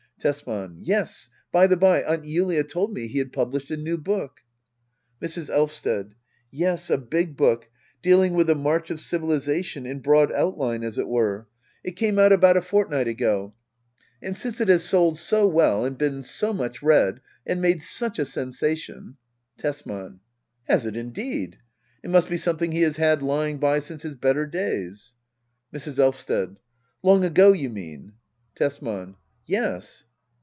Tesman. Yes, by the bye, Aunt Julia told me he had published a new book. Mrs. Elvsted. Yes, a big book, dealing with the march of civilisation — in broad outline, as it were. It came X c Digitized by Google 34 HEDDA OABLER. [aCT I. out about a fortnight ago. And since it has sold so well^ and been so much read — and made such a sensation Tesman. Has it indeed ? It must be something he has had lying by since his better days. Mrs. Elvsted. Long ago^ you mean ? Tesman. Yes.